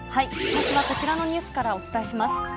まずはこちらのニュースからお伝えします。